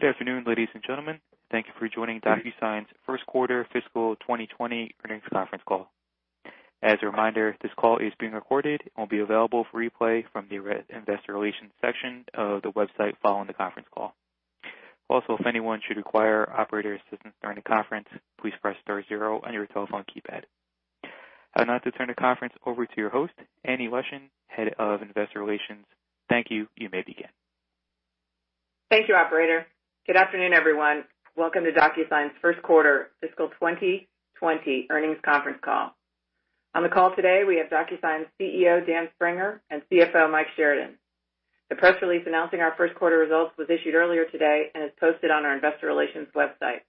Good afternoon, ladies and gentlemen. Thank you for joining DocuSign's first quarter fiscal 2020 earnings conference call. As a reminder, this call is being recorded and will be available for replay from the investor relations section of the website following the conference call. Also, if anyone should require operator assistance during the conference, please press star zero on your telephone keypad. I'd now like to turn the conference over to your host, Annie Leschin, Head of Investor Relations. Thank you. You may begin. Thank you, operator. Good afternoon, everyone. Welcome to DocuSign's first quarter fiscal 2020 earnings conference call. On the call today, we have DocuSign's CEO, Dan Springer, and CFO, Michael Sheridan. The press release announcing our first quarter results was issued earlier today and is posted on our investor relations website.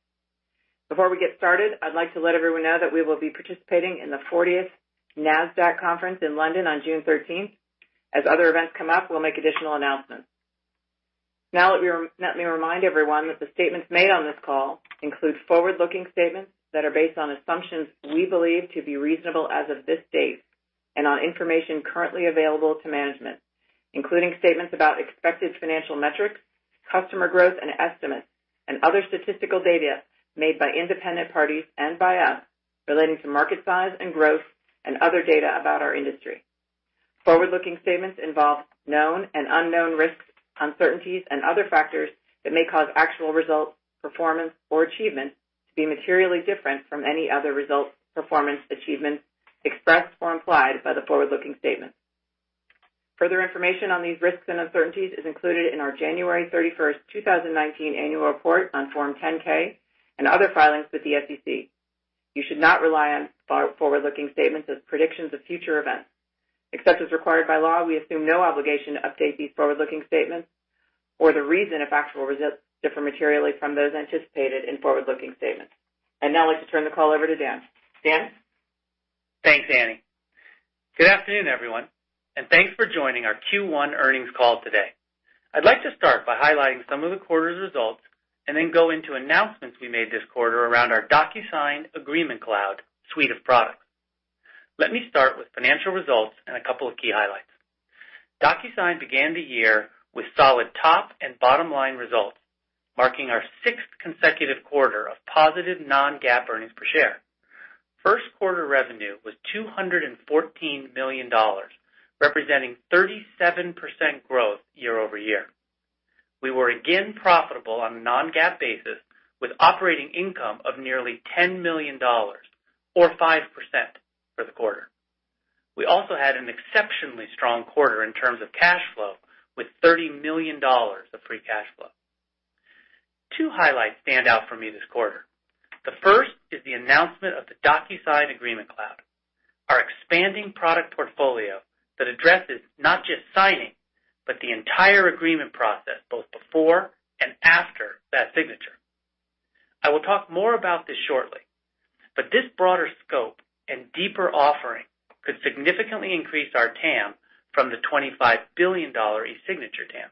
Before we get started, I'd like to let everyone know that we will be participating in the 40th Nasdaq conference in London on June 13th. As other events come up, we'll make additional announcements. Let me remind everyone that the statements made on this call include forward-looking statements that are based on assumptions we believe to be reasonable as of this date and on information currently available to management, including statements about expected financial metrics, customer growth and estimates, and other statistical data made by independent parties and by us relating to market size and growth and other data about our industry. Forward-looking statements involve known and unknown risks, uncertainties and other factors that may cause actual results, performance, or achievements to be materially different from any other results, performance, achievements expressed or implied by the forward-looking statements. Further information on these risks and uncertainties is included in our January 31st, 2019 annual report on Form 10-K and other filings with the SEC. You should not rely on forward-looking statements as predictions of future events. Except as required by law, we assume no obligation to update these forward-looking statements or the reason if actual results differ materially from those anticipated in forward-looking statements. I'd now like to turn the call over to Dan. Dan? Thanks, Annie. Good afternoon, everyone, and thanks for joining our Q1 earnings call today. I'd like to start by highlighting some of the quarter's results and then go into announcements we made this quarter around our DocuSign Agreement Cloud suite of products. Let me start with financial results and a couple of key highlights. DocuSign began the year with solid top and bottom line results, marking our sixth consecutive quarter of positive non-GAAP earnings per share. First quarter revenue was $214 million, representing 37% growth year-over-year. We were again profitable on a non-GAAP basis with operating income of nearly $10 million or 5% for the quarter. We also had an exceptionally strong quarter in terms of cash flow with $30 million of free cash flow. Two highlights stand out for me this quarter. The first is the announcement of the DocuSign Agreement Cloud, our expanding product portfolio that addresses not just signing, but the entire agreement process both before and after that signature. I will talk more about this shortly, but this broader scope and deeper offering could significantly increase our TAM from the $25 billion eSignature TAM.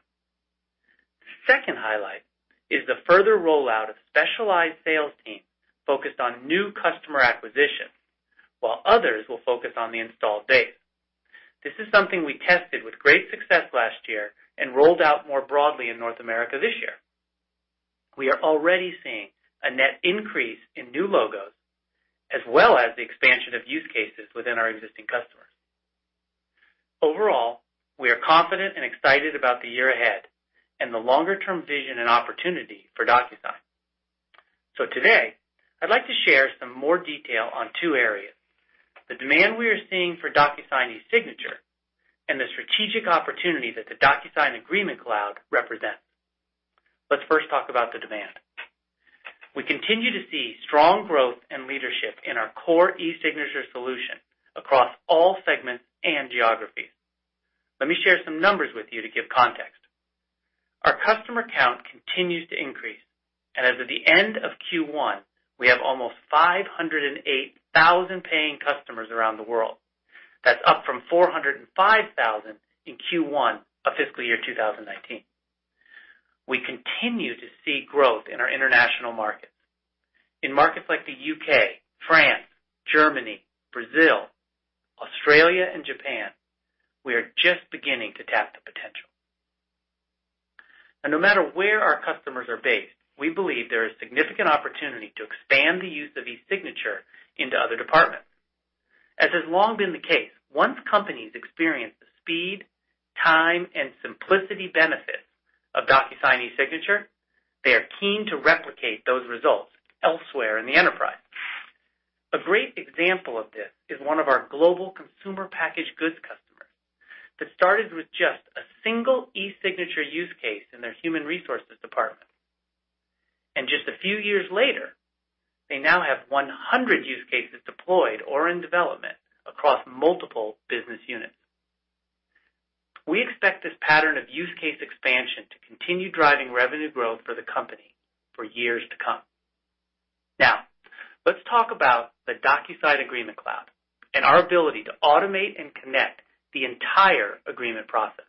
Second highlight is the further rollout of specialized sales teams focused on new customer acquisition, while others will focus on the installed base. This is something we tested with great success last year and rolled out more broadly in North America this year. We are already seeing a net increase in new logos, as well as the expansion of use cases within our existing customers. Overall, we are confident and excited about the year ahead and the longer-term vision and opportunity for DocuSign. Today, I'd like to share some more detail on two areas, the demand we are seeing for DocuSign eSignature and the strategic opportunity that the DocuSign Agreement Cloud represents. Let's first talk about the demand. We continue to see strong growth and leadership in our core eSignature solution across all segments and geographies. Let me share some numbers with you to give context. Our customer count continues to increase, and as of the end of Q1, we have almost 508,000 paying customers around the world. That's up from 405,000 in Q1 of fiscal year 2019. We continue to see growth in our international markets. In markets like the U.K., France, Germany, Brazil, Australia, and Japan, we are just beginning to tap the potential. No matter where our customers are based, we believe there is significant opportunity to expand the use of eSignature into other departments. As has long been the case, once companies experience the speed, time, and simplicity benefits of DocuSign eSignature, they are keen to replicate those results elsewhere in the enterprise. A great example of this is one of our global consumer packaged goods customers that started with just a single eSignature use case in their human resources department, and just a few years later, they now have 100 use cases deployed or in development across multiple business units. Let's talk about the DocuSign Agreement Cloud and our ability to automate and connect the entire agreement process.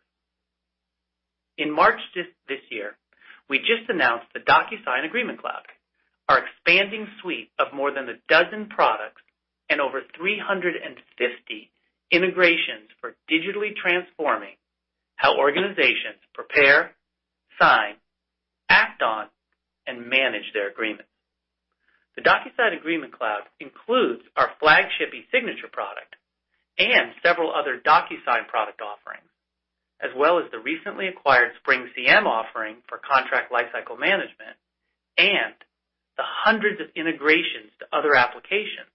In March this year, we just announced the DocuSign Agreement Cloud. Our expanding suite of more than a dozen products and over 350 integrations for digitally transforming how organizations prepare, sign, act on, and manage their agreements. The DocuSign Agreement Cloud includes our flagship eSignature product and several other DocuSign product offerings, as well as the recently acquired SpringCM offering for contract lifecycle management, and the hundreds of integrations to other applications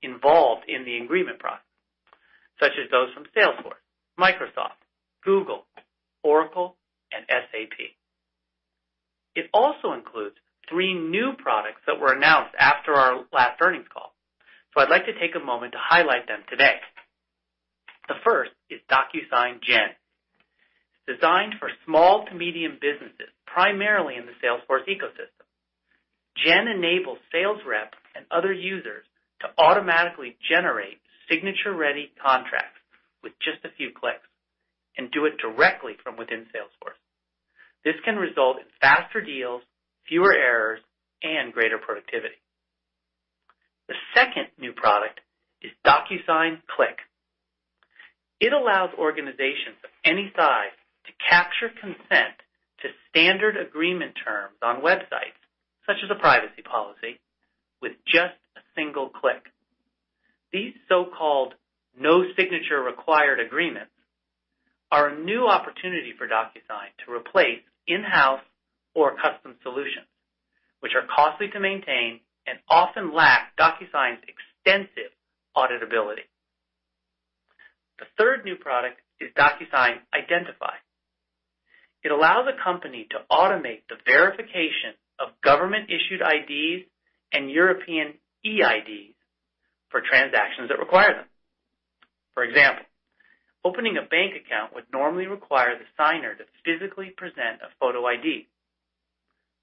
involved in the agreement process, such as those from Salesforce, Microsoft, Google, Oracle, and SAP. It also includes three new products that were announced after our last earnings call. I'd like to take a moment to highlight them today. The first is DocuSign Gen. Designed for small to medium businesses primarily in the Salesforce ecosystem, Gen enables sales reps and other users to automatically generate signature-ready contracts with just a few clicks and do it directly from within Salesforce. This can result in faster deals, fewer errors, and greater productivity. The second new product is DocuSign Click. It allows organizations of any size to capture consent to standard agreement terms on websites, such as a privacy policy, with just a single click. These so-called no signature required agreements are a new opportunity for DocuSign to replace in-house or custom solutions, which are costly to maintain and often lack DocuSign's extensive auditability. The third new product is DocuSign Identify. It allows a company to automate the verification of government-issued IDs and European eIDs for transactions that require them. For example, opening a bank account would normally require the signer to physically present a photo ID.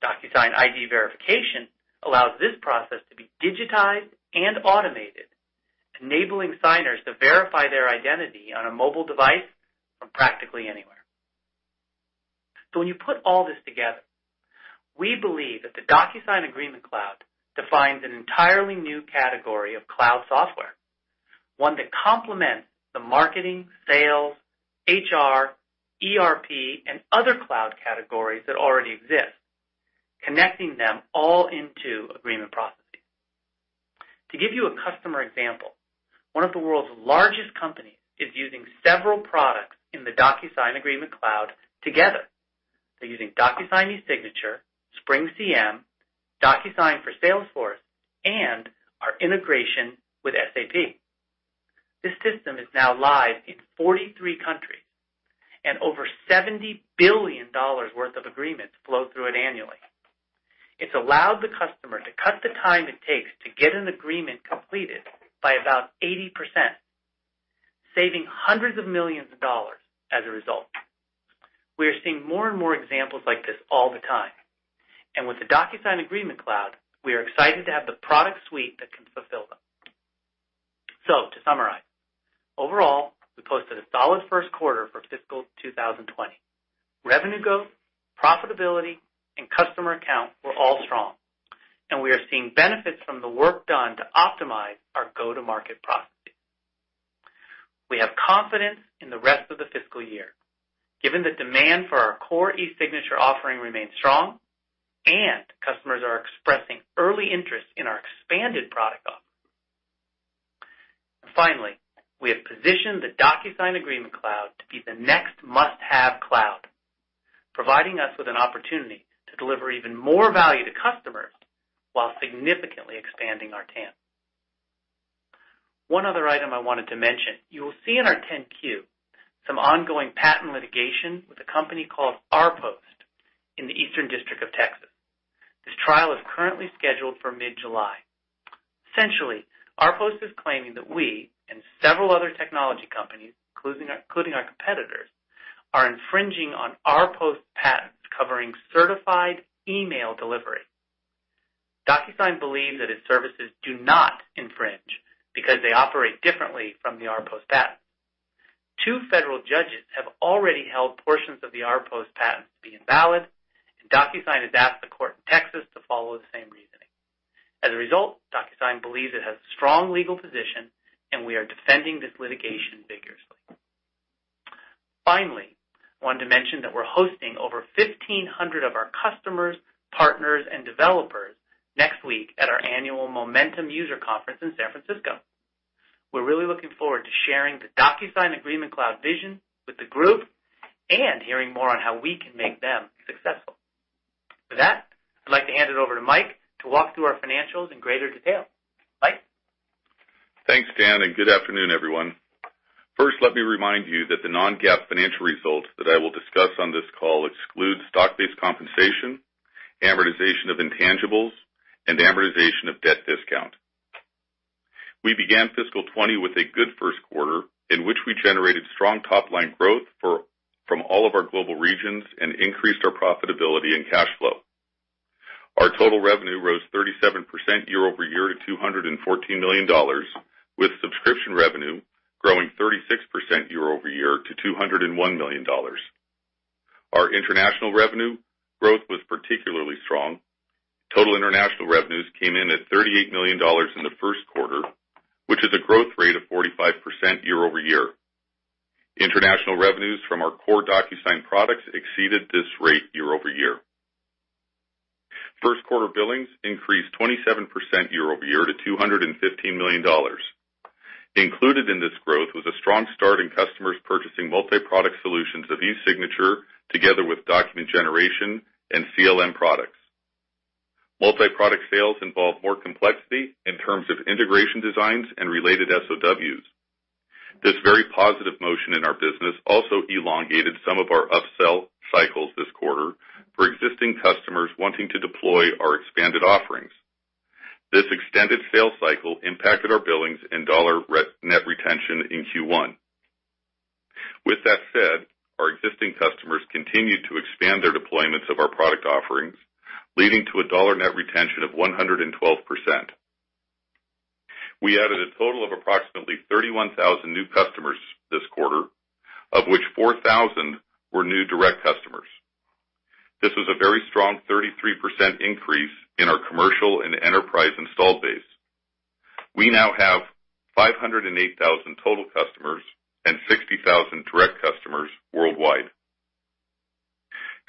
DocuSign ID Verification allows this process to be digitized and automated, enabling signers to verify their identity on a mobile device from practically anywhere. When you put all this together, we believe that the DocuSign Agreement Cloud defines an entirely new category of cloud software, one that complements the marketing, sales, HR, ERP, and other cloud categories that already exist, connecting them all into agreement processes. To give you a customer example, one of the world's largest companies is using several products in the DocuSign Agreement Cloud together. They're using DocuSign eSignature, SpringCM, DocuSign for Salesforce, and our integration with SAP. This system is now live in 43 countries, and over $70 billion worth of agreements flow through it annually. It's allowed the customer to cut the time it takes to get an agreement completed by about 80%, saving hundreds of millions of dollars as a result. We are seeing more and more examples like this all the time, and with the DocuSign Agreement Cloud, we are excited to have the product suite that can fulfill them. To summarize, overall, we posted a solid first quarter for fiscal 2020. Revenue growth, profitability, and customer accounts were all strong, and we are seeing benefits from the work done to optimize our go-to-market processes. We have confidence in the rest of the fiscal year, given the demand for our core eSignature offering remains strong, and customers are expressing early interest in our expanded product offerings. Finally, we have positioned the DocuSign Agreement Cloud to be the next must-have cloud, providing us with an opportunity to deliver even more value to customers while significantly expanding our TAM. One other item I wanted to mention. You will see in our 10-Q some ongoing patent litigation with a company called RPost in the Eastern District of Texas. This trial is currently scheduled for mid-July. Essentially, RPost is claiming that we and several other technology companies, including our competitors, are infringing on RPost patents covering certified email delivery. DocuSign believes that its services do not infringe because they operate differently from the RPost patent. Two federal judges have already held portions of the RPost patent to be invalid, and DocuSign has asked the court in Texas to follow the same reasoning. As a result, DocuSign believes it has a strong legal position, and we are defending this litigation vigorously. Finally, I wanted to mention that we're hosting over 1,500 of our customers, partners, and developers next week at our annual Momentum user conference in San Francisco. We're really looking forward to sharing the DocuSign Agreement Cloud vision with the group and hearing more on how we can make them successful. With that, I'd like to hand it over to Mike to walk through our financials in greater detail. Mike? Thanks, Dan, and good afternoon, everyone. First, let me remind you that the non-GAAP financial results that I will discuss on this call exclude stock-based compensation, amortization of intangibles, and amortization of debt discount. We began fiscal 2020 with a good first quarter in which we generated strong top-line growth from all of our global regions and increased our profitability and cash flow. Our total revenue rose 37% year-over-year to $214 million, with subscription revenue growing 36% year-over-year to $201 million. Our international revenue growth was particularly strong. Total international revenues came in at $38 million in the first quarter, which is a growth rate of 45% year-over-year. International revenues from our core DocuSign products exceeded this rate year-over-year. First quarter billings increased 27% year-over-year to $215 million. Included in this growth was a strong start in customers purchasing multi-product solutions of eSignature together with document generation and CLM products. Multi-product sales involve more complexity in terms of integration designs and related SOWs. This very positive motion in our business also elongated some of our up-sell cycles this quarter for existing customers wanting to deploy our expanded offerings. This extended sales cycle impacted our billings and dollar net retention in Q1. With that said, our existing customers continued to expand their deployments of our product offerings, leading to a dollar net retention of 112%. We added a total of approximately 31,000 new customers this quarter, of which 4,000 were new direct customers. This was a very strong 33% increase in our commercial and enterprise installed base. We now have 508,000 total customers and 60,000 direct customers worldwide.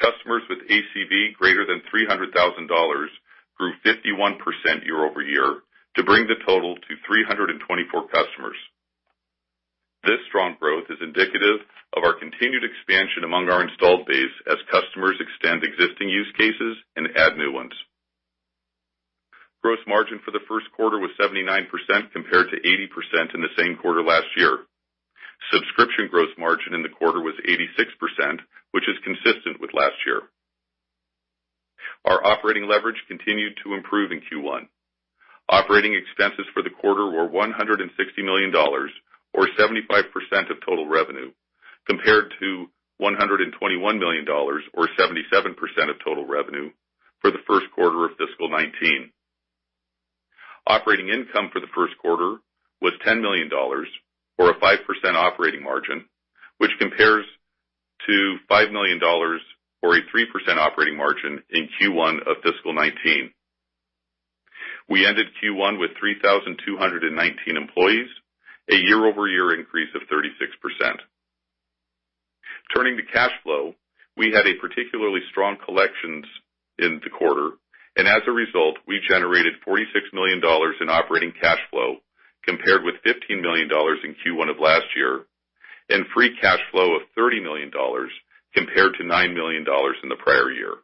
Customers with ACV greater than $300,000 grew 51% year-over-year to bring the total to 324 customers. This strong growth is indicative of our continued expansion among our installed base as customers extend existing use cases and add new ones. Gross margin for the first quarter was 79% compared to 80% in the same quarter last year. Subscription gross margin in the quarter was 86%, which is consistent with last year. Our operating leverage continued to improve in Q1. Operating expenses for the quarter were $160 million, or 75% of total revenue, compared to $121 million, or 77% of total revenue, for the first quarter of fiscal 2019. Operating income for the first quarter was $10 million, or a 5% operating margin, which compares to $5 million, or a 3% operating margin, in Q1 of fiscal 2019. We ended Q1 with 3,219 employees, a year-over-year increase of 36%. Turning to cash flow, we had a particularly strong collections in the quarter. As a result, we generated $46 million in operating cash flow compared with $15 million in Q1 of last year, and free cash flow of $30 million compared to $9 million in the prior year.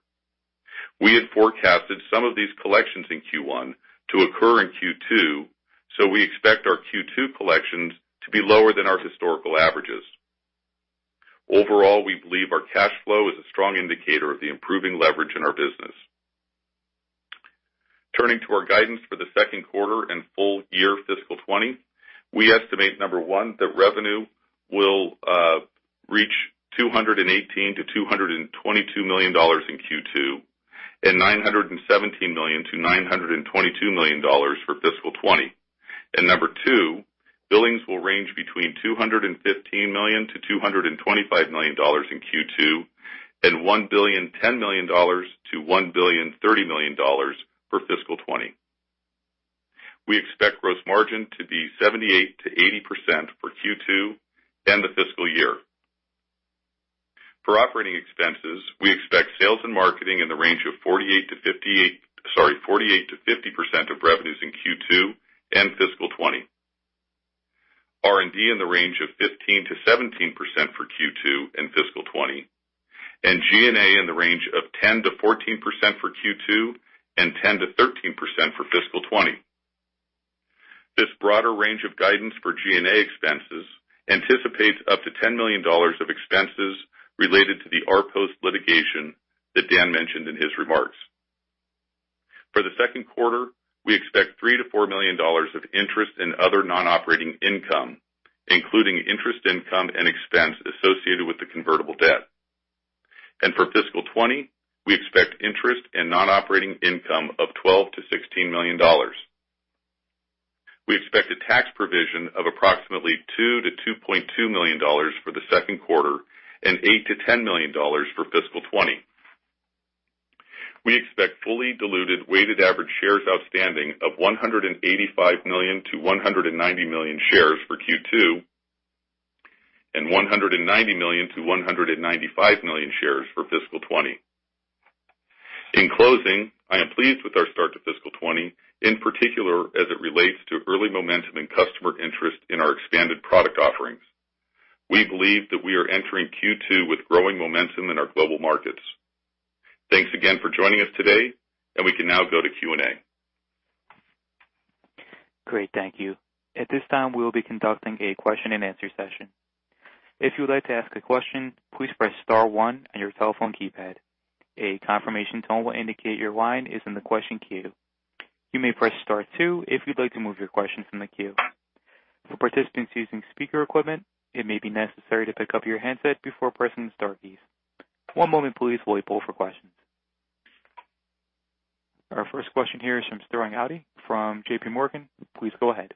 We had forecasted some of these collections in Q1 to occur in Q2, we expect our Q2 collections to be lower than our historical averages. Overall, we believe our cash flow is a strong indicator of the improving leverage in our business. Turning to our guidance for the second quarter and full year fiscal 2020, we estimate, number one, that revenue will reach $218 million-$222 million in Q2 and $917 million-$922 million for fiscal 2020. Number two, billings will range between $215 million-$225 million in Q2 and $1.01 billion-$1.03 billion for fiscal 2020. We expect gross margin to be 78%-80% for Q2 and the fiscal year. For operating expenses, we expect sales and marketing in the range of 48%-50% of revenues in Q2 and fiscal 2020. R&D in the range of 15%-17% for Q2 and fiscal 2020, and G&A in the range of 10%-14% for Q2 and 10%-13% for fiscal 2020. This broader range of guidance for G&A expenses anticipates up to $10 million of expenses related to the RPost litigation that Dan mentioned in his remarks. For the second quarter, we expect $3 million-$4 million of interest in other non-operating income, including interest income and expense associated with the convertible debt. For fiscal 2020, we expect interest and non-operating income of $12 million-$16 million. We expect a tax provision of approximately $2 million-$2.2 million for the second quarter and $8 million-$10 million for fiscal 2020. We expect fully diluted weighted average shares outstanding of 185 million-190 million shares for Q2 and 190 million-195 million shares for fiscal 2020. In closing, I am pleased with our start to fiscal 2020, in particular as it relates to early momentum and customer interest in our expanded product offerings. We believe that we are entering Q2 with growing momentum in our global markets. Thanks again for joining us today, we can now go to Q&A. Great, thank you. At this time, we will be conducting a question-and-answer session. If you would like to ask a question, please press star one on your telephone keypad. A confirmation tone will indicate your line is in the question queue. You may press star two if you'd like to move your question from the queue. For participants using speaker equipment, it may be necessary to pick up your handset before pressing the star keys. One moment please while we poll for questions. Our first question here is from Sterling Auty from JPMorgan. Please go ahead.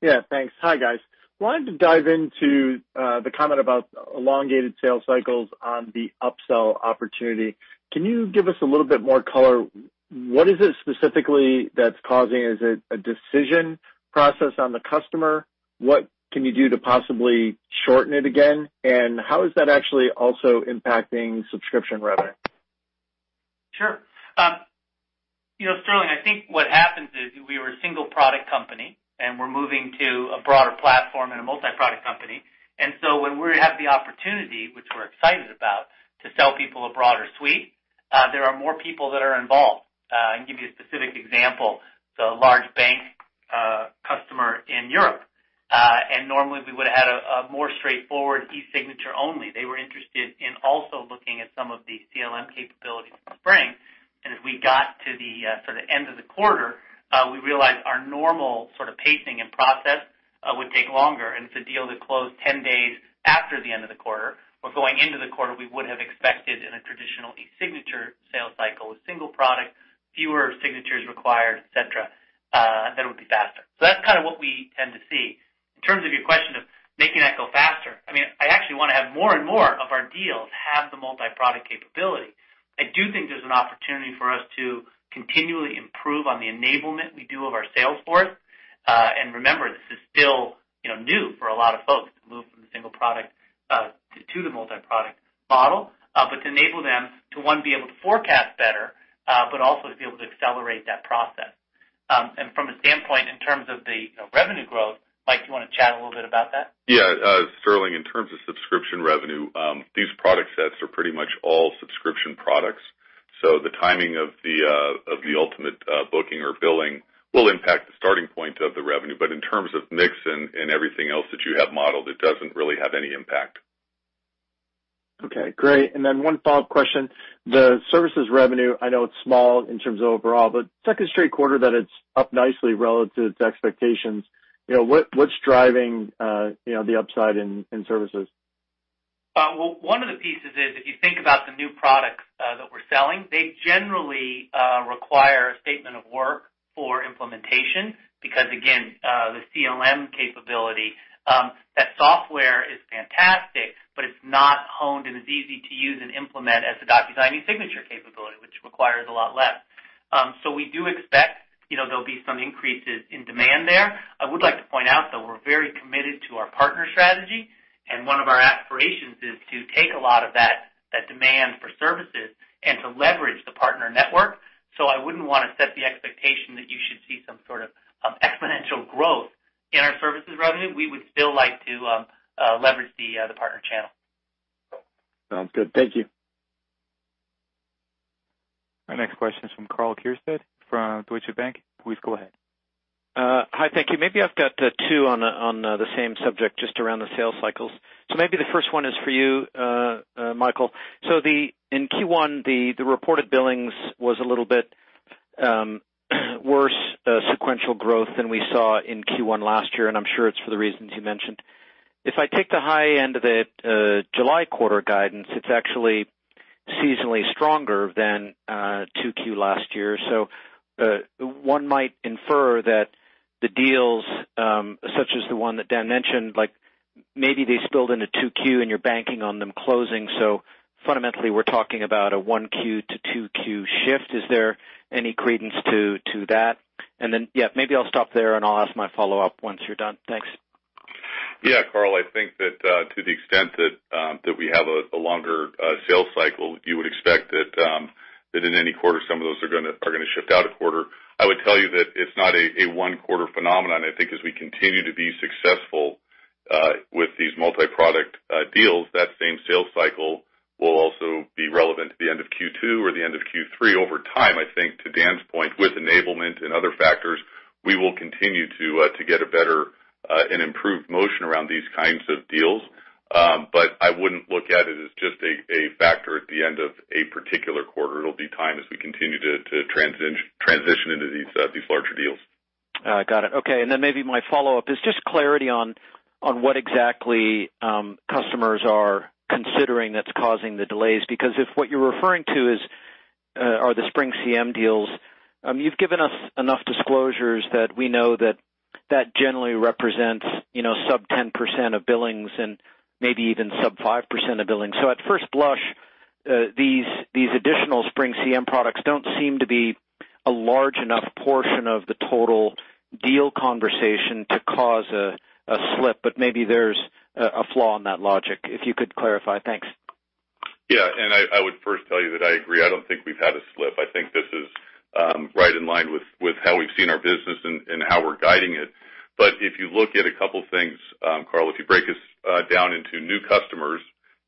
Yeah, thanks. Hi, guys. Wanted to dive into the comment about elongated sales cycles on the upsell opportunity. Can you give us a little bit more color? What is it specifically that's causing it? Is it a decision process on the customer? What can you do to possibly shorten it again? How is that actually also impacting subscription revenue? Sure. Sterling, I think what happens is, we were a single product company, and we're moving to a broader platform and a multi-product company. When we have the opportunity, which we're excited about, to sell people a broader suite, there are more people that are involved. I can give you a specific example. A large bank customer in Europe, and normally we would've had a more straightforward eSignature only. They were interested in also looking at some of the CLM capabilities in Spring. As we got to the end of the quarter, we realized our normal pacing and process would take longer, and it's a deal that closed 10 days after the end of the quarter. Where going into the quarter, we would have expected in a traditional eSignature sales cycle, a single product, fewer signatures required, et cetera, that it would be faster. That's what we tend to see. In terms of your question of making that go faster, I actually want to have more and more of our deals have the multi-product capability. I do think there's an opportunity for us to continually improve on the enablement we do of our sales force. Remember, this is still new for a lot of folks to move from the single product to the multi-product model. To enable them to, one, be able to forecast better, but also to be able to accelerate that process. From a standpoint in terms of the revenue growth, Mike, do you want to chat a little bit about that? Yeah. Sterling Auty, in terms of subscription revenue, these product sets are pretty much all subscription products, so the timing of the ultimate booking or billing will impact the starting point of the revenue. In terms of mix and everything else that you have modeled, it doesn't really have any impact. Okay, great. Then one follow-up question. The services revenue, I know it's small in terms of overall, but second straight quarter that it's up nicely relative to expectations. What's driving the upside in services? One of the pieces is, if you think about the new products that we're selling, they generally require a statement of work for implementation because, again, the CLM capability. That software is fantastic, but it's not honed and as easy to use and implement as the DocuSign eSignature capability, which requires a lot less. We do expect there'll be some increases in demand there. I would like to point out, though, we're very committed to our partner strategy, one of our aspirations is to take a lot of that demand for services and to leverage the partner network. I wouldn't want to set the expectation that you should see some sort of exponential growth in our services revenue. We would still like to leverage the partner channel. Sounds good. Thank you. Our next question is from Karl Keirstead from Deutsche Bank. Please go ahead. Hi, thank you. Maybe I've got two on the same subject, just around the sales cycles. Maybe the first one is for you, Michael. In Q1, the reported billings was a little bit worse sequential growth than we saw in Q1 last year, and I'm sure it's for the reasons you mentioned. If I take the high end of the July quarter guidance, it's actually seasonally stronger than 2Q last year. One might infer that the deals, such as the one that Dan mentioned, maybe they spilled into 2Q and you're banking on them closing. Fundamentally, we're talking about a 1Q to 2Q shift. Is there any credence to that? Yeah, maybe I'll stop there and I'll ask my follow-up once you're done. Thanks. Yeah, Karl. I think that to the extent that we have a longer sales cycle, you would expect that in any quarter, some of those are going to shift out a quarter. I would tell you that it's not a one-quarter phenomenon. I think as we continue to be successful with these multi-product deals, that same sales cycle will also be relevant at the end of Q2 or the end of Q3. Over time, I think to Dan's point, with enablement and other factors, we will continue to get a better and improved motion around these kinds of deals. I wouldn't look at it as just a factor at the end of a particular quarter. It'll be time as we continue to transition into these larger deals. Got it. Okay. Maybe my follow-up is just clarity on what exactly customers are considering that's causing the delays. If what you're referring to are the SpringCM deals, you've given us enough disclosures that we know that that generally represents sub 10% of billings and maybe even sub 5% of billings. At first blush, these additional SpringCM products don't seem to be a large enough portion of the total deal conversation to cause a slip, maybe there's a flaw in that logic. If you could clarify. Thanks. Yeah. I would first tell you that I agree. I don't think we've had a slip. I think this is right in line with how we've seen our business and how we're guiding it. If you look at a couple things, Karl, if you break this down into new customers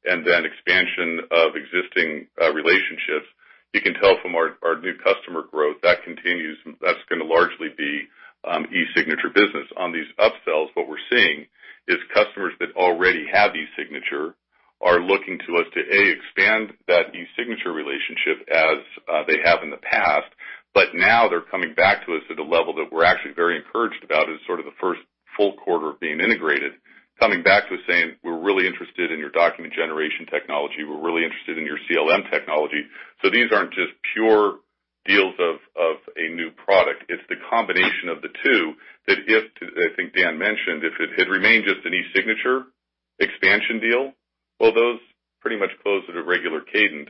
and then expansion of existing relationships, you can tell from our new customer growth, that continues, that's going to largely be eSignature business. On these upsells, what we're seeing is customers that already have eSignature are looking to us to, A., expand that eSignature relationship as they have in the past. But now they're coming back to us at a level that we're actually very encouraged about as sort of the first full quarter of being integrated, coming back to us saying, "We're really interested in your document generation technology. We're really interested in your CLM technology." These aren't just pure deals of a new product. It's the combination of the two that if, I think Dan mentioned, if it had remained just an eSignature expansion deal, well, those pretty much close at a regular cadence.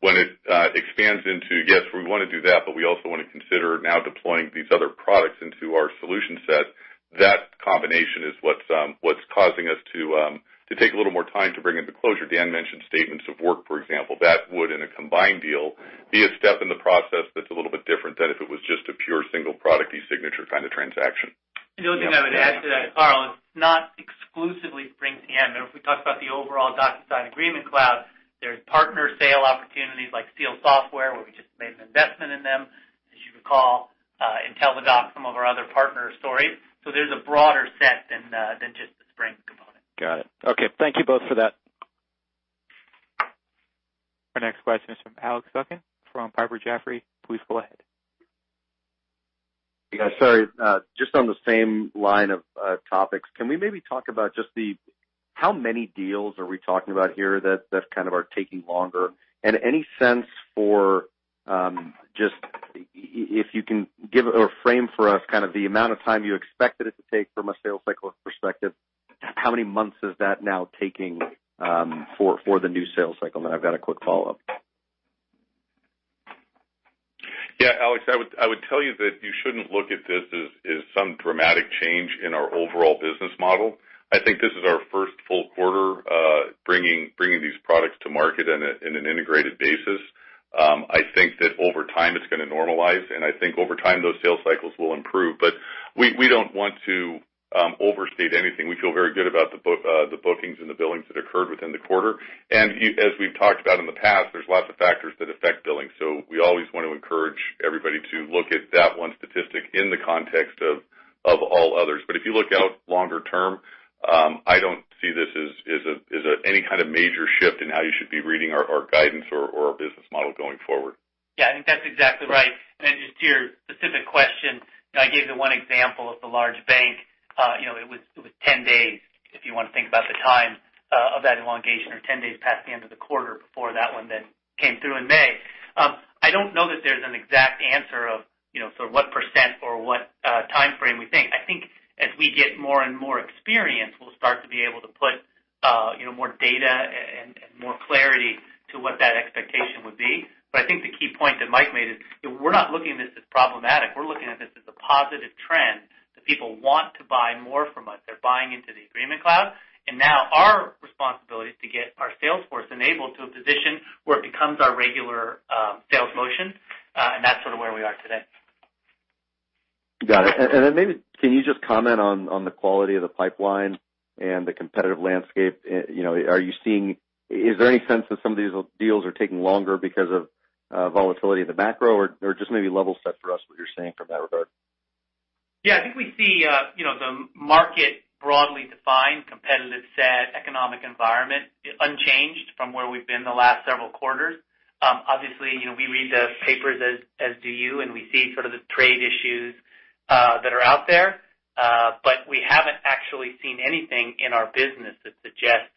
When it expands into, yes, we want to do that, but we also want to consider now deploying these other products into our solution set. That combination is what's causing us to take a little more time to bring it to closure. Dan mentioned statements of work, for example. That would, in a combined deal, be a step in the process that's a little bit different than if it was just a pure single product eSignature kind of transaction. The only thing I would add to that, Karl, it's not exclusively SpringCM. If we talk about the overall DocuSign Agreement Cloud, there's partner sale opportunities like Seal Software, where we just made an investment in them, as you recall, Intelledox, some of our other partner stories. There's a broader set than just the Spring component. Got it. Okay. Thank you both for that. Our next question is from Alex Zukin from Piper Jaffray. Please go ahead. Yeah, sorry. Just on the same line of topics, can we maybe talk about just how many deals are we talking about here that kind of are taking longer? Any sense for, just if you can give a frame for us, the amount of time you expected it to take from a sales cycle perspective, how many months is that now taking for the new sales cycle? I've got a quick follow-up. Yeah, Alex, I would tell you that you shouldn't look at this as some dramatic change in our overall business model. I think this is our first full quarter bringing these products to market in an integrated basis. I think that over time, it's going to normalize, I think over time, those sales cycles will improve. We don't want to overstate anything. We feel very good about the bookings and the billings that occurred within the quarter. As we've talked about in the past, there's lots of factors that affect billing. We always want to encourage everybody to look at that one statistic in the context of all others. If you look out longer term, I don't see this as any kind of major shift in how you should be reading our guidance or our business model going forward. Yeah, I think that's exactly right. Just to your specific question, I gave the one example of the large bank. It was 10 days, if you want to think about the time of that elongation, or 10 days past the end of the quarter before that one then came through in May. I don't know that there's an exact answer of what % or what timeframe we think. I think as we get more and more experience, we'll start to be able to put more data and more clarity to what that expectation would be. I think the key point that Mike made is we're not looking at this as problematic. We're looking at this as a positive trend that people want to buy more from us. They're buying into the Agreement Cloud, now our responsibility is to get our sales force enabled to a position where it becomes our regular sales motion. That's sort of where we are today. Got it. Maybe, can you just comment on the quality of the pipeline and the competitive landscape? Is there any sense that some of these deals are taking longer because of volatility in the macro, or just maybe level set for us what you're seeing from that regard? Yeah, I think we see the market broadly defined, competitive set, economic environment unchanged from where we've been the last several quarters. Obviously, we read the papers, as do you, and we see the trade issues that are out there. We haven't actually seen anything in our business that suggests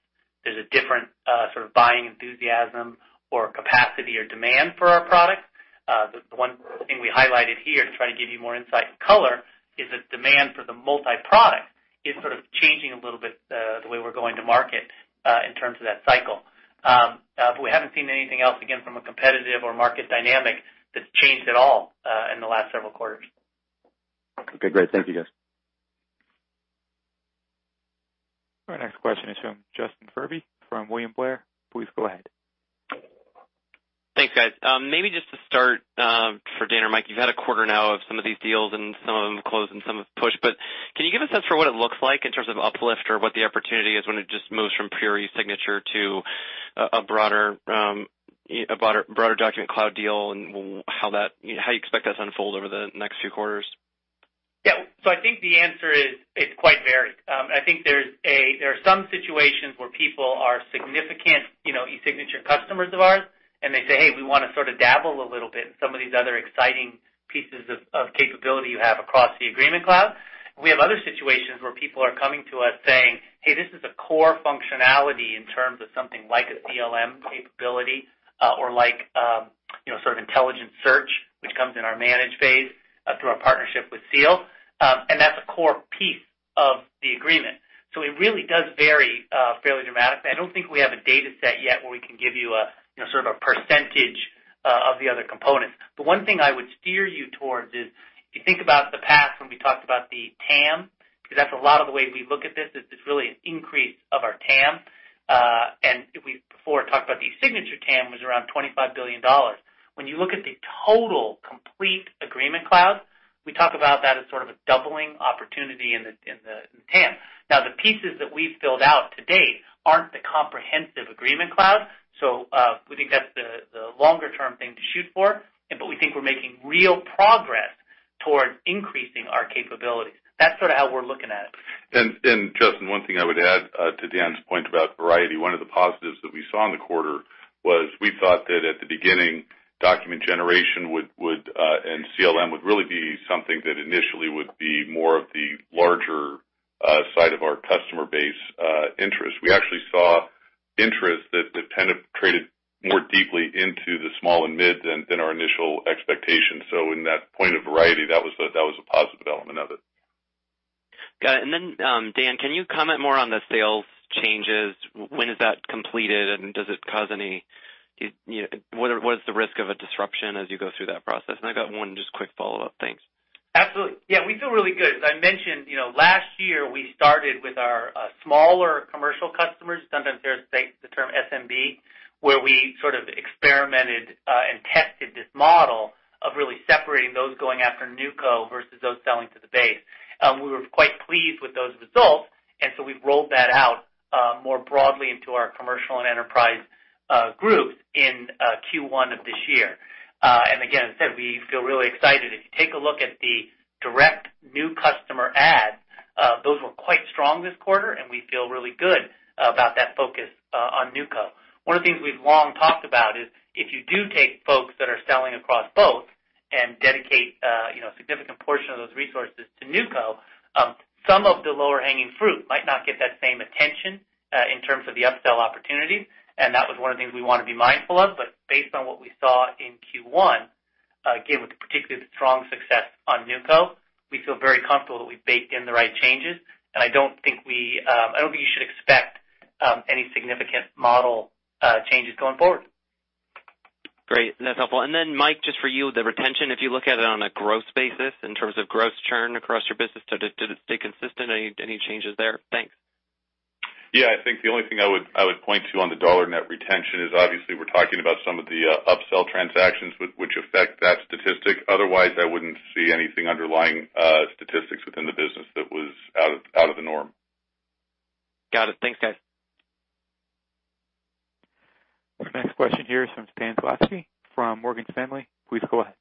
there's a different sort of buying enthusiasm or capacity or demand for our products. The one thing we highlighted here to try to give you more insight and color is that demand for the multi-product is sort of changing a little bit, the way we're going to market in terms of that cycle. We haven't seen anything else, again, from a competitive or market dynamic that's changed at all in the last several quarters. Okay, great. Thank you, guys. Our next question is from Justin Furby from William Blair. Please go ahead. Thanks, guys. Maybe just to start, for Dan or Michael, you've had a quarter now of some of these deals, some of them closed and some have pushed. Can you give a sense for what it looks like in terms of uplift or what the opportunity is when it just moves from pure eSignature to a broader Agreement Cloud deal and how you expect us to unfold over the next few quarters? Yeah. I think the answer is it's quite varied. I think there are some situations where people are significant eSignature customers of ours, and they say, "Hey, we want to sort of dabble a little bit in some of these other exciting pieces of capability you have across the Agreement Cloud." We have other situations where people are coming to us saying, "Hey, this is a core functionality in terms of something like a CLM capability, or like intelligent search, which comes in our manage phase through our partnership with Seal, and that's a core piece of the agreement." It really does vary fairly dramatically. I don't think we have a data set yet where we can give you a sort of a percentage of the other components. The one thing I would steer you towards is, if you think about the past, when we talked about the TAM, because that's a lot of the way we look at this, is it's really an increase of our TAM. If we before talked about the eSignature TAM was around $25 billion. When you look at the total complete Agreement Cloud, we talk about that as sort of a doubling opportunity in the TAM. Now, the pieces that we've filled out to date aren't the comprehensive Agreement Cloud, we think that's the longer-term thing to shoot for, but we think we're making real progress toward increasing our capabilities. That's sort of how we're looking at it. Justin, one thing I would add to Dan's point about variety, one of the positives that we saw in the quarter was we thought that at the beginning, document generation and CLM would really be something that initially would be more of the larger side of our customer base interest. We actually saw interest that penetrated more deeply into the small and mid than our initial expectations. In that point of variety, that was a positive element of it. Got it. Dan, can you comment more on the sales changes? When is that completed, and what is the risk of a disruption as you go through that process? I got one just quick follow-up. Thanks. Absolutely. We feel really good. As I mentioned, last year, we started with our smaller commercial customers. Sometimes they state the term SMB, where we sort of experimented and tested this model of really separating those going after new co versus those selling to the base. We were quite pleased with those results, we've rolled that out more broadly into our commercial and enterprise groups in Q1 of this year. Again, as I said, we feel really excited. If you take a look at the direct new customer adds, those were quite strong this quarter, and we feel really good about that focus on new co. One of the things we've long talked about is if you do take folks that are selling across both and dedicate a significant portion of those resources to new co, some of the lower-hanging fruit might not get that same attention, in terms of the upsell opportunities. That was one of the things we want to be mindful of, but based on what we saw in Q1, again, with the particularly strong success on new co, we feel very comfortable that we baked in the right changes. I don't think you should expect any significant model changes going forward. Great. That's helpful. Mike, just for you, the retention, if you look at it on a growth basis in terms of gross churn across your business, did it stay consistent? Any changes there? Thanks. I think the only thing I would point to on the dollar net retention is obviously we're talking about some of the upsell transactions which affect that statistic. Otherwise, I wouldn't see anything underlying statistics within the business that was out of the norm. Got it. Thanks, guys. Our next question here is from Stan Zlotsky from Morgan Stanley. Please go ahead.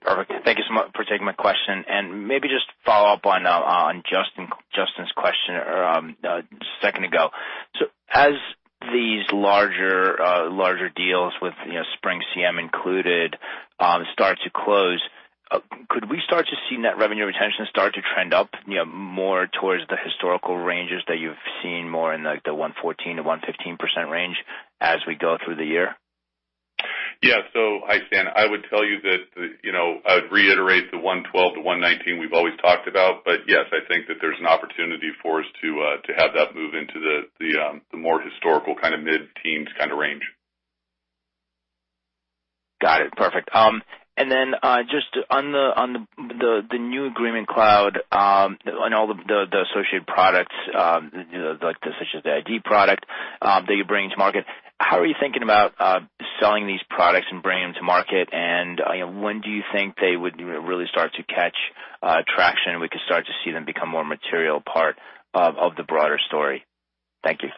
Perfect. Thank you so much for taking my question. Maybe just to follow up on Justin's question a second ago. As these larger deals with SpringCM included, start to close, could we start to see net revenue retention start to trend up more towards the historical ranges that you've seen more in like the 114%-115% range as we go through the year? Yeah. Hi, Stan. I would tell you that, I would reiterate the 112%-119% we've always talked about. Yes, I think that there's an opportunity for us to have that move into the more historical kind of mid-teens kind of range. Got it. Perfect. Then, just on the new Agreement Cloud, and all the associated products, such as the ID product that you're bringing to market, how are you thinking about selling these products and bringing them to market and when do you think they would really start to catch traction and we could start to see them become more material part of the broader story? Thank you.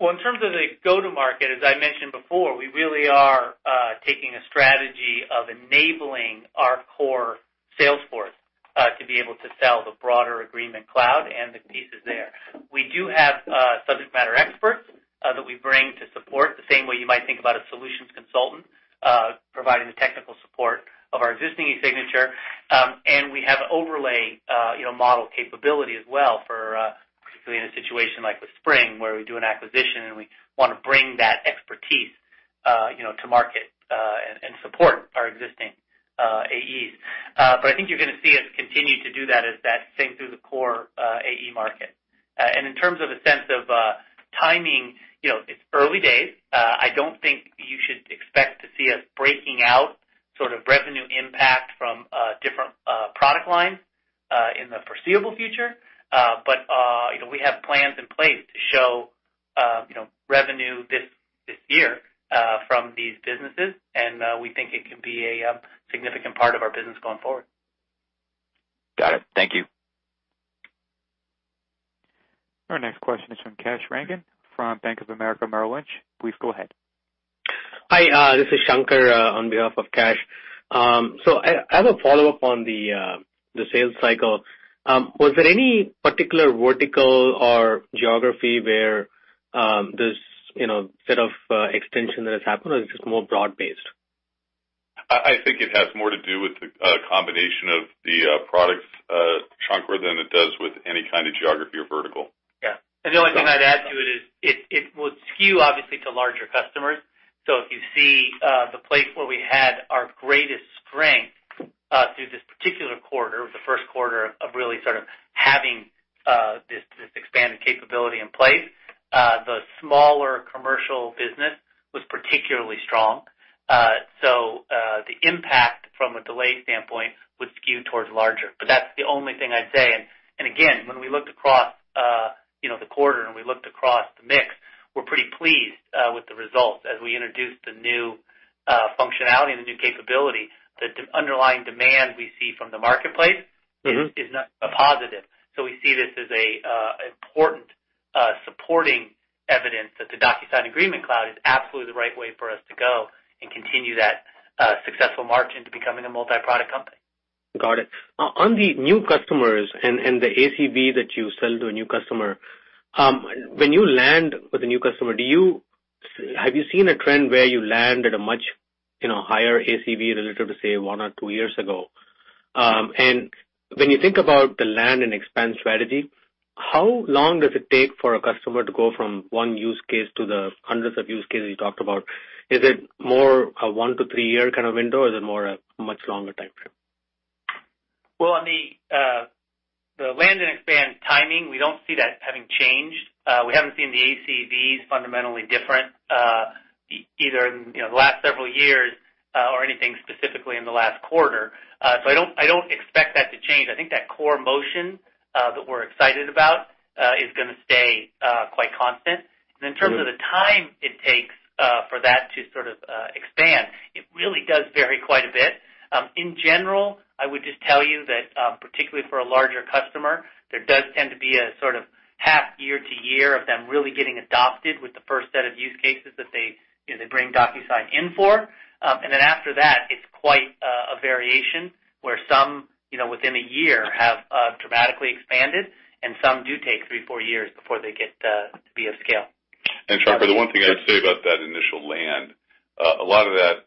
Well, in terms of the go-to-market, as I mentioned before, we really are taking a strategy of enabling our core sales force, to be able to sell the broader Agreement Cloud and the pieces there. We do have subject matter experts that we bring to support, the same way you might think about a solutions consultant, providing the technical support of our existing eSignature. We have overlay model capability as well for, particularly in a situation like with Spring, where we do an acquisition, and we want to bring that expertise to market, and support our existing AEs. I think you're going to see us continue to do that as that thing through the core AE market. In terms of a sense of timing, it's early days. I don't think you should expect to see us breaking out sort of revenue impact from different product lines in the foreseeable future. We have plans in place to show revenue this year from these businesses, and we think it can be a significant part of our business going forward. Got it. Thank you. Our next question is from Kash Rangan from Bank of America Merrill Lynch. Please go ahead. Hi, this is Shankar, on behalf of Kash. As a follow-up on the sales cycle, was there any particular vertical or geography where this set of extension that has happened, or is this more broad-based? I think it has more to do with the combination of the products, Shankar, than it does with any kind of geography or vertical. Yeah. The only thing I'd add to it is it will skew obviously to larger customers. If you see the place where we had our greatest strength through this particular quarter was the first quarter of really sort of having this expanded capability in place. The smaller commercial business was particularly strong. The impact from a delay standpoint would skew towards larger. That's the only thing I'd say. Again, when we looked across the quarter, and we looked across the mix, we're pretty pleased with the results. As we introduced the new functionality and the new capability, the underlying demand we see from the marketplace is a positive. We see this as an important supporting evidence that the DocuSign Agreement Cloud is absolutely the right way for us to go and continue that successful march into becoming a multi-product company. Got it. On the new customers and the ACV that you sell to a new customer, when you land with a new customer, have you seen a trend where you land at a much higher ACV relative to, say, one or two years ago? When you think about the land and expand strategy, how long does it take for a customer to go from one use case to the hundreds of use cases you talked about? Is it more a one to three-year kind of window, or is it more a much longer timeframe? Well, on the land and expand timing, we don't see that having changed. We haven't seen the ACVs fundamentally different, either in the last several years or anything specifically in the last quarter. I don't expect that to change. I think that core motion that we're excited about is going to stay quite constant. In terms of the time it takes for that to expand, it really does vary quite a bit. In general, I would just tell you that, particularly for a larger customer, there does tend to be a sort of half year to year of them really getting adopted with the first set of use cases that they bring DocuSign in for. Then after that, it's quite a variation, where some within a year have dramatically expanded and some do take three, four years before they get to be of scale. Shankar, the one thing I'd say about that initial land, a lot of that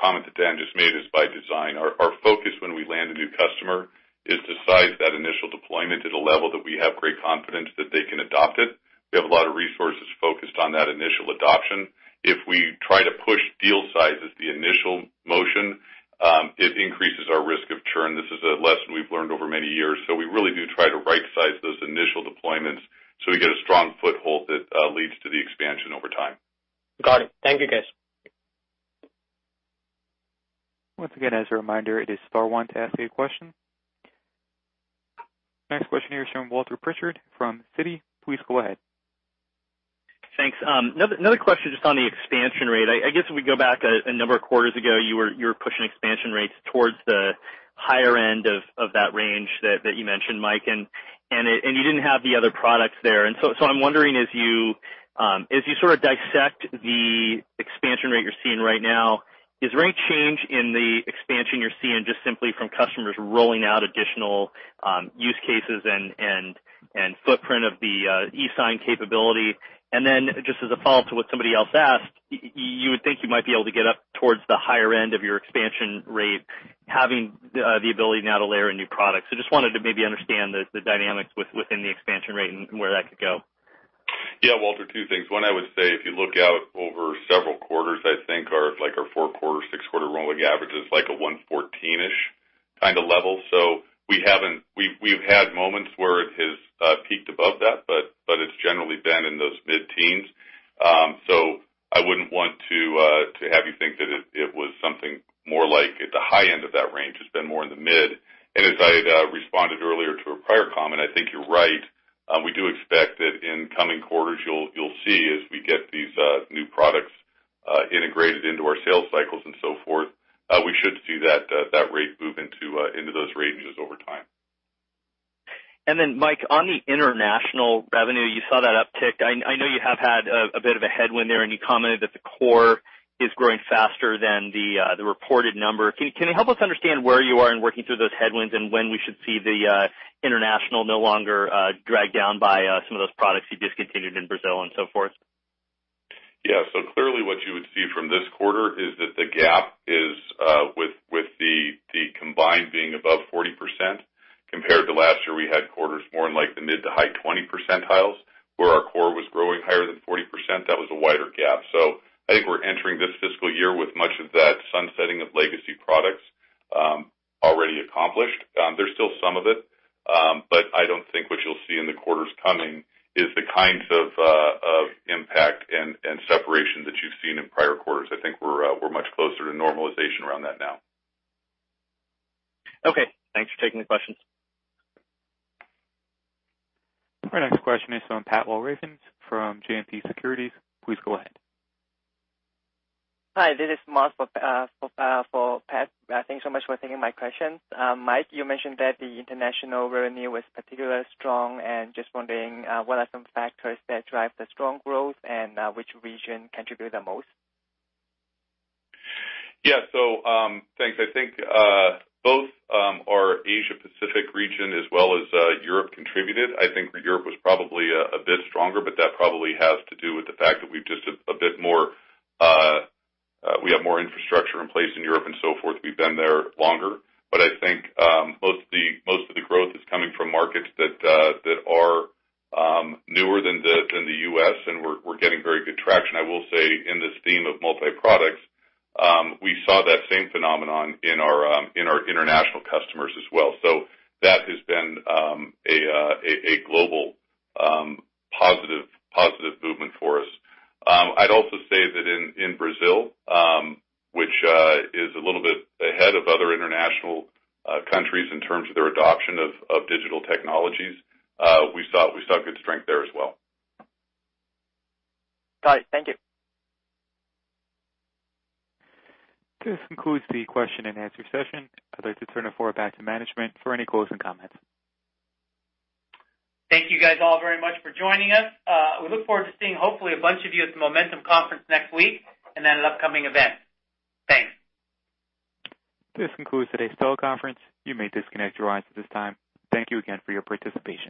comment that Dan just made is by design. Our focus when we land a new customer is to size that initial deployment at a level that we have great confidence that they can adopt it. We have a lot of resources focused on that initial adoption. If we try to push deal size as the initial motion, it increases our risk of churn. This is a lesson we've learned over many years. We really do try to right-size those initial deployments so we get a strong foothold that leads to the expansion over time. Got it. Thank you, guys. Once again, as a reminder, it is star one to ask a question. Next question here is from Walter Pritchard from Citi. Please go ahead. Thanks. Another question just on the expansion rate. I guess if we go back a number of quarters ago, you were pushing expansion rates towards the higher end of that range that you mentioned, Mike, and you didn't have the other products there. I'm wondering, as you sort of dissect the expansion rate you're seeing right now, is there any change in the expansion you're seeing just simply from customers rolling out additional use cases and footprint of the e-sign capability? Just as a follow-up to what somebody else asked, you would think you might be able to get up towards the higher end of your expansion rate, having the ability now to layer in new products. Just wanted to maybe understand the dynamics within the expansion rate and where that could go. Walter, two things. One, I would say if you look out over several quarters, I think our four-quarter, six-quarter rolling average is like a 114-ish kind of level. We've had moments where it has peaked above that, but it's generally been in those mid-teens. I wouldn't want to have you think that it was something more like at the high end of that range. It's been more in the mid. As I had responded earlier to a prior comment, I think you're right. We do expect that in coming quarters you'll see as we get these new products integrated into our sales cycles and so forth, we should see that rate move into those ranges over time. Mike, on the international revenue, you saw that uptick. I know you have had a bit of a headwind there, and you commented that the core is growing faster than the reported number. Can you help us understand where you are in working through those headwinds and when we should see the international no longer dragged down by some of those products you discontinued in Brazil and so forth? Yeah. Clearly what you would see from this quarter is that the gap is with the combined being above 40%, compared to last year, we had quarters more in like the mid to high 20 percentiles, where our core was growing higher than 40%, that was a wider gap. I think we're entering this fiscal year with much of that sunsetting of legacy products already accomplished. There's still some of it, but I don't think what you'll see in the quarters coming is the kinds of impact and separation that you've seen in prior quarters. I think we're much closer to normalization around that now. Okay. Thanks for taking the questions. Our next question is from Pat Walravens from JMP Securities. Please go ahead. Hi. This is Anna Marrs for Pat. Thanks so much for taking my questions. Michael, you mentioned that the international revenue was particularly strong. Just wondering what are some factors that drive the strong growth and which region contributed the most? Thanks. I think both our Asia Pacific region as well as Europe contributed. I think Europe was probably a bit stronger, but that probably has to do with the fact that we have more infrastructure in place in Europe and so forth. We've been there longer. I think most of the growth is coming from markets that are newer than the U.S., and we're getting very good traction. I will say in this theme of multi-products, we saw that same phenomenon in our international customers as well. That has been a global positive movement for us. I'd also say that in Brazil, which is a little bit ahead of other international countries in terms of their adoption of digital technologies, we saw good strength there as well. Got it. Thank you. This concludes the question and answer session. I'd like to turn the floor back to management for any closing comments. Thank you guys all very much for joining us. We look forward to seeing hopefully a bunch of you at the Momentum Conference next week and at an upcoming event. Thanks. This concludes today's teleconference. You may disconnect your lines at this time. Thank you again for your participation.